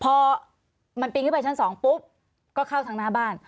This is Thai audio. พอมันปีนขึ้นไปชั้น๒ปุ๊บก็เข้าทางหน้าบ้าน